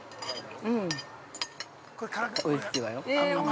◆うん、おいしいわよ。